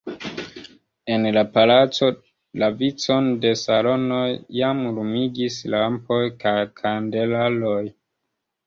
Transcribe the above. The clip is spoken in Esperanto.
En la palaco la vicon de salonoj jam lumigis lampoj kaj kandelaroj.